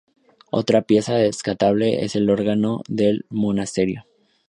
Otra pieza destacable es el órgano del monasterio.